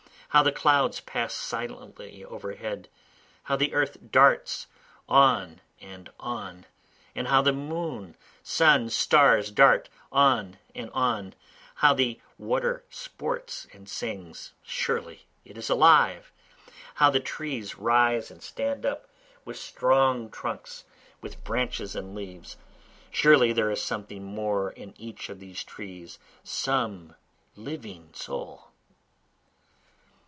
How the clouds pass silently overhead! How the earth darts on and on! and how the sun, moon, stars, dart on and on! How the water sports and sings! (surely it is alive!) How the trees rise and stand up, with strong trunks, with branches and leaves! (Surely there is something more in each of the trees, some living soul.)